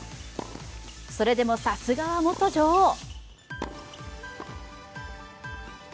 それでもさすがは元女王。